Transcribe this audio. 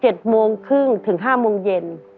โมงครึ่งถึงห้าโมงเย็น